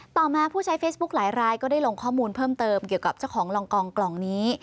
ต่อมาผู้ใช้เฟซบุ๊คหลายรายก็ได้ลงข้อมูลเพิ่มเติมเกี่ยวกับเจ้าของลองกองนี้